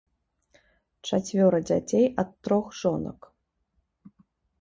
Чацвёра дзяцей ад трох жонак.